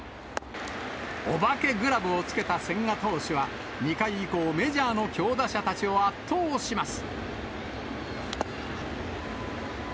お化けグラブをつけた千賀投手は、２回以降、メジャーの強打者たちを圧倒します。